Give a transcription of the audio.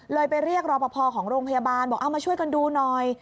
ไปเรียกรอปภของโรงพยาบาลบอกเอามาช่วยกันดูหน่อย